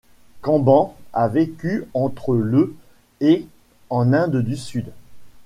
Kamban a vécu entre le et en Inde du sud.